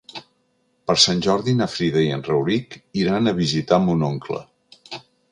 Per Sant Jordi na Frida i en Rauric iran a visitar mon oncle.